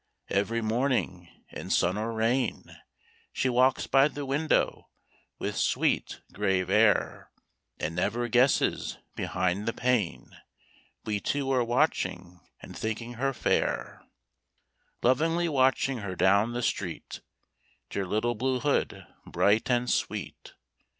Every morning, in sun or rain, She walks by the window with sweet, grave air, And never guesses behind the pane We two are watching and thinking her fair; Lovingly watching her down the street, Dear little Blue Hood, bright and sweet.